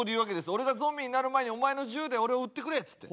「俺がゾンビになる前にお前の銃で俺を撃ってくれ」つって。